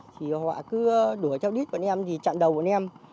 thì họ cứ đuổi theo đít bọn em gì chặn đầu bọn em